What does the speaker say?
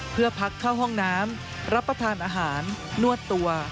เพื่อพักเข้าห้องน้ำรับประทานอาหารนวดตัว